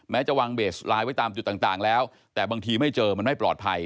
จะวางเบสไลน์ไว้ตามจุดต่างแล้วแต่บางทีไม่เจอมันไม่ปลอดภัย